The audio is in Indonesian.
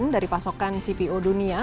dari pasokan cpo dunia